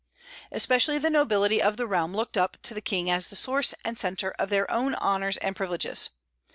Especially the nobility of the realm looked up to the king as the source and centre of their own honors and privileges.